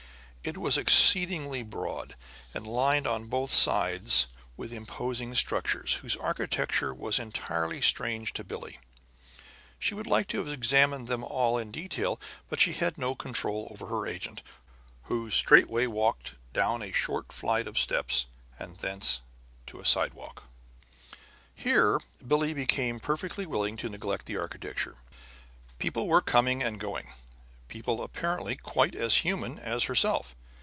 It was exceedingly broad, and lined on both sides with imposing structures whose architecture was entirely strange to Billie. She would liked to have examined them all in detail; but she had no control over her agent, who straightway walked down a short flight of steps and thence to a sidewalk. Here Billie became perfectly willing to neglect the architecture. People were coming and going; people apparently quite as human as herself.